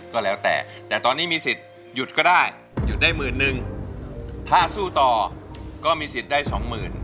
ก็แล้วแต่แต่ตอนนี้มีสิทธิ์หยุดก็ได้หยุดได้หมื่นนึงถ้าสู้ต่อก็มีสิทธิ์ได้สองหมื่น